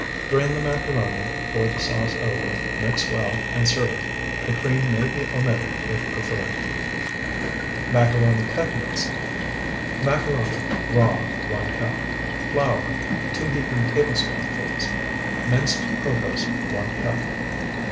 Drain the macaroni, pour the sauce over, mix well, and serve. The cream may be omitted if preferred. MACARONI CUTLETS Macaroni, raw, 1 cup. Flour, 2 heaping tablespoonfuls. Minced protose, 1 cup.